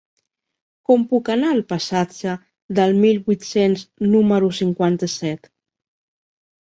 Com puc anar al passatge del Mil vuit-cents número cinquanta-set?